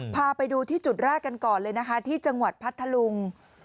พาไปดูที่จุดแรกกันก่อนเลยนะคะที่จังหวัดพัทธลุง